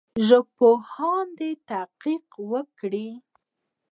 ژبپوهان دي تحقیق وکړي.